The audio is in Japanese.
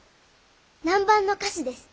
南蛮の菓子です。